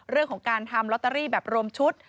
เรื่องของการทำลอตเตอรี่แบบรวมชุด